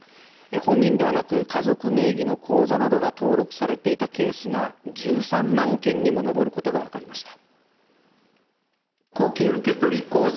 本人ではなく家族名義の口座などが登録されていたケースが１３万件にも上ることがわかりました。